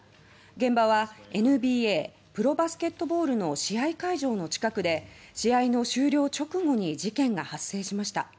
現場はＮＢＡ＝プロバスケットボールの試合会場の近くで試合の終了直後に事件が発生しました。